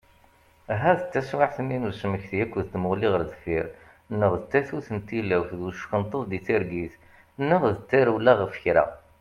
Ahat d taswiɛt-nni n usmekti akked tmuɣli ɣer deffir, neɣ d tatut n tilawt d uckenṭeḍ di targit, neɣ d tarewla ɣef kra.